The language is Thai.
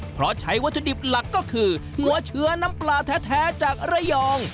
เพราะใช้วัตถุดิบหลักก็คือหัวเชื้อน้ำปลาแท้จากระยอง